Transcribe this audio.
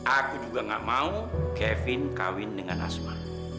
aku juga gak mau kevin kawin dengan asma